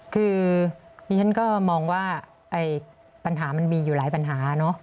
คือดิฉันก็มองว่าปัญหามันมีอยู่หลายปัญหาเนอะ